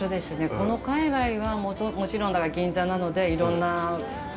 この界隈はもちろん銀座なのでいろんな方